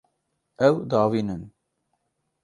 Ew diavînin.